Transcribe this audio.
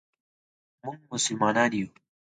مونږ مسلمانان یو.